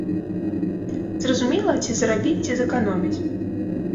Зразумела, ці зарабіць, ці зэканоміць.